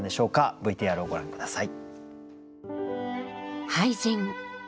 ＶＴＲをご覧下さい。